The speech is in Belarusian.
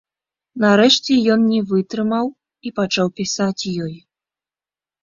Нарэшце ён не вытрымаў і пачаў пісаць ёй.